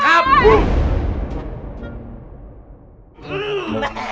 ada apa lagi nih